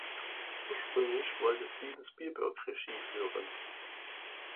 Ursprünglich wollte Steven Spielberg Regie führen.